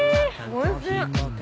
おいしい！